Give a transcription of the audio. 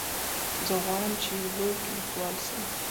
زه غواړم چي یو لوی لیکوال سم.